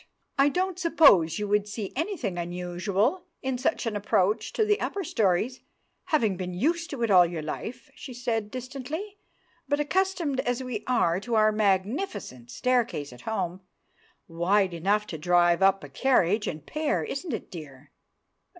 "I don't suppose you would see anything unusual in such an approach to the upper storeys, having been used to it all your life," she said distantly; "but accustomed as we are to our magnificent staircase at home—wide enough to drive up a carriage and pair, isn't it, dear?"